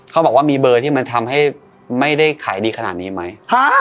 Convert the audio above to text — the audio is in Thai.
เขาบอกว่ามีใบที่มันไม่ได้ขายดีขนามนี้ไหม